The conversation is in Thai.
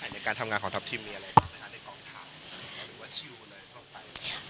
ในการทำงานของทัพทิมมีอะไรบ้างไหมคะในกองทัพหรือว่าชิลอะไรทั่วไป